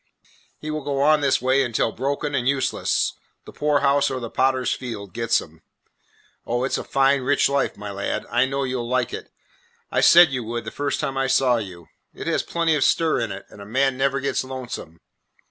He will go on this way until, broken and useless, the poor house or the potter's field gets him. Oh, it 's a fine, rich life, my lad. I know you 'll like it. I said you would the first time I saw you. It has plenty of stir in it, and a man never gets lonesome.